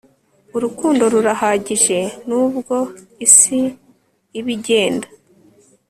urukundo rurahagije nubwo isi iba-igenda